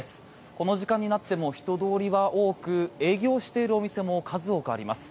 この時間になっても人通りは多く営業しているお店も数多くあります。